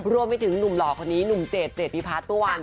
รวมให้ถึงหนุ่มหล่อคนนี้หนุ่มเจดเจดพิพาทตัววัน